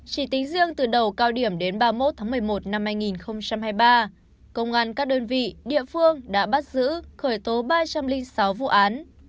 chỉ tính riêng từ đầu cao điểm đến ba mươi một tháng một mươi một năm hai nghìn hai mươi ba công an các đơn vị địa phương đã bắt giữ khởi tố ba trăm linh sáu vụ án